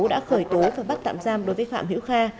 đã khởi tố và bắt tạm giam đối với phạm hữu kha